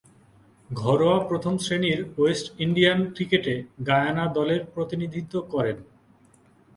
ঘরোয়া প্রথম-শ্রেণীর West Indian ক্রিকেটে গায়ানা দলের প্রতিনিধিত্ব করেন।